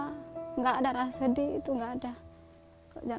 tidak ada rasa sedih itu nggak ada